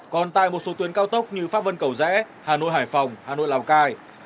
còn tại một số tuyến cao tốc như pháp vân cầu rẽ hà nội hải phòng hà nội lào cai